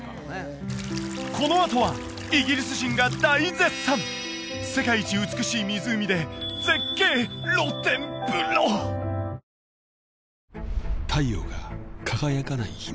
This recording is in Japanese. このあとはイギリス人が大絶賛世界一美しい湖で絶景露天風呂絶景中の絶景うわ